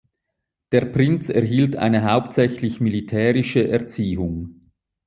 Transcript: Der Prinz erhielt eine hauptsächlich militärische Erziehung.